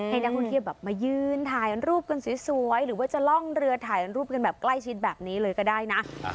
ให้นักท่องเที่ยวแบบมายืนถ่ายรูปกันสวยหรือว่าจะล่องเรือถ่ายรูปกันแบบใกล้ชิดแบบนี้เลยก็ได้นะ